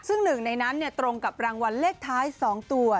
ซึ่งหนึ่งในนั้นตรงกับรางวัลเลขท้าย๒ตัว